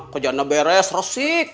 kerjaannya beres resik